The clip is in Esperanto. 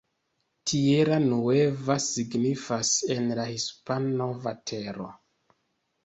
Tierra Nueva signifas en la hispana "Nova Tero".